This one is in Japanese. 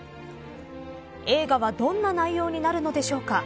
映画はどんな内容になるのでしょうか。